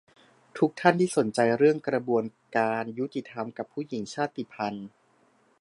ทุกท่านที่สนใจเรื่องกระบวนการยุติธรรมกับผู้หญิงชาติพันธุ์